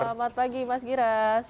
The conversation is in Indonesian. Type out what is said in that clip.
selamat pagi mas giras